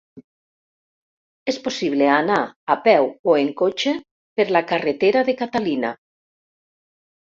És possible anar a peu o en cotxe per la carretera de Catalina.